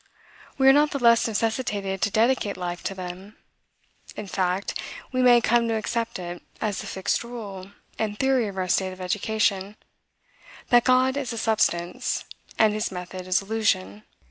We are not the less necessitated to dedicate life to them. In fact, we may come to accept it as the fixed rule and theory of our state of education, that God is a substance, and his method is illusion.